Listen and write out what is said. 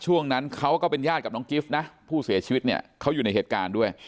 ช่วงนั้นเขาก็เป็นญาติกับน้องกิฟต์นะผู้เสียชีวิตเนี่ยเขาอยู่ในเหตุการณ์ด้วย